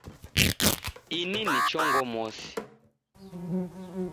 Ini ni chongo mosi